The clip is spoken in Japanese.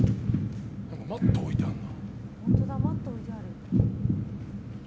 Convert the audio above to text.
マット置いてあんな。